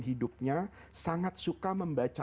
hidupnya sangat suka membaca